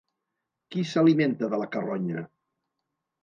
Qui s'alimenta de la carronya?